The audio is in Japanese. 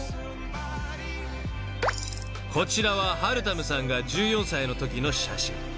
［こちらははるたむさんが１４歳のときの写真］